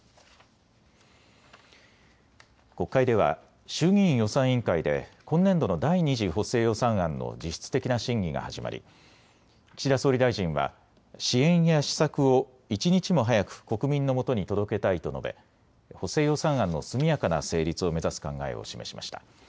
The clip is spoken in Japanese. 国会では衆議院予算委員会で今年度の第２次補正予算案の実質的な審議が始まり岸田総理大臣は支援や施策を一日も早く国民のもとに届けたいと述べ、補正予算案の速やかな成立を目指す考えを示しました。